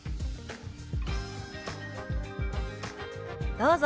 どうぞ。